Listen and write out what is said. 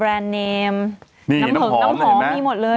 ล้องหอมมีหมดเลย